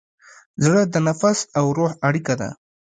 زړه د نفس او روح اړیکه ده.